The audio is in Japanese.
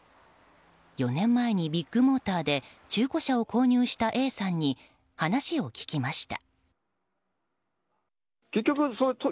４年前に、ビッグモーターで中古車を購入したＡさんに話を聞きました。